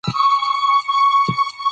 په کرکټ کښي بخت هم ونډه لري.